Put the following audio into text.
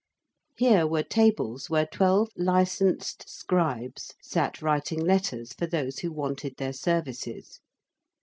Here were tables where twelve licensed scribes sat writing letters for those who wanted their services.